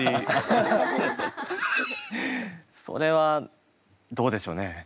それはどうでしょうね。